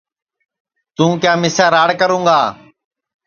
توں کیا مِسے راڑ کروں گا